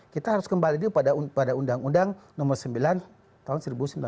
kita harus kembali dulu pada undang undang nomor sembilan tahun seribu sembilan ratus sembilan puluh